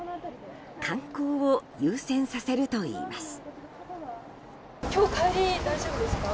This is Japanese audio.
観光を優先させるといいます。